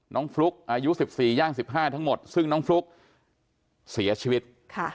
น้องฟลุ๊กอายุสิบสี่ย่างสิบห้าทั้งหมดซึ่งน้องฟลุ๊กเสียชีวิตค่ะ